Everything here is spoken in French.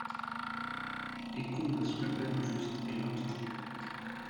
Et couve sous la peine injuste, et lentement